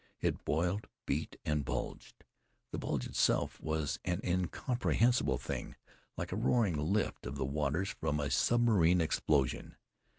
It boiled, beat and bulged. The bulge itself was an incompressible thing, like a roaring lift of the waters from submarine explosion.